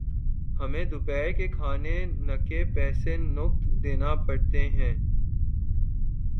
ہمیں دوپہر کے کھانےنکے پیسے نقد دینا پڑتے ہیں